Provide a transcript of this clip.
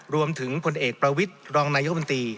รวมถึงผลเอกประวิทย์รองนายกประวิทย์